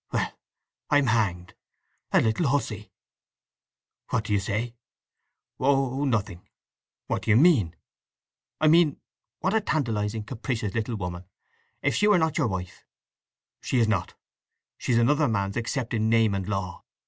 "Well—I'm hanged! A little hussy!" "What do you say?" "Oh—nothing!" "What do you mean?" "I mean, what a tantalizing, capricious little woman! If she were not your wife—" "She is not; she's another man's except in name and law.